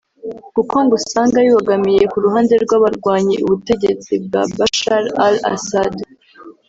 kuko ngo usanga bibogamiye kuruhande rw’abarwanyi ubutegtsi bwa Bashar al-Assad